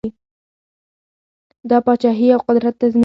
دا پاچهي او قدرت تضمین کړي.